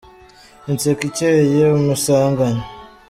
Inseko ikeye umusanganya